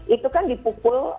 itu kan dipukul